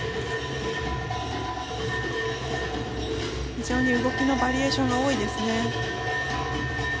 非常に動きのバリエーションが多いですね。